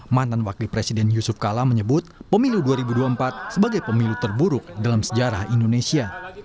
mantan wakil presiden yusuf kala menyebut pemilu dua ribu dua puluh empat sebagai pemilu terburuk dalam sejarah indonesia